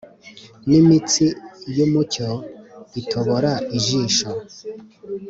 n'imitsi y'umucyo itobora ijisho.